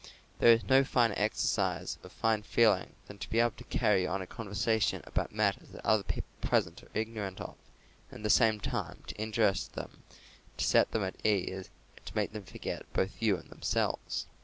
There is no finer exercise of fine feeling than to be able to carry on a conversation about matters that other people present are ignorant of, and at the same time to interest them, to set them at ease, and to make them forget both you and themselves.